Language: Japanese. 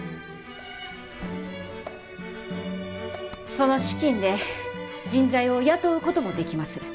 その資金で人材を雇うこともできます。